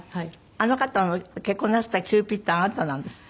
あの方の結婚なすったキューピッドあなたなんですって？